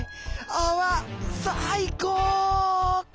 あわさいこう！